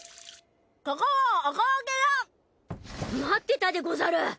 待ってたでござる！